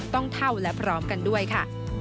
ต้องเท่าและพร้อมกันด้วยค่ะ